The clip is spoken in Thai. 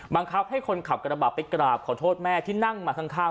บังคับให้คนขับกระบะไปกราบขอโทษแม่ที่นั่งมาข้าง